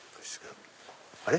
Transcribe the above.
あれ？